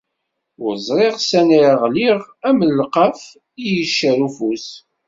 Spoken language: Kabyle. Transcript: Ur ẓriɣ sani ara ɣliɣ am lqaf i icer ufus.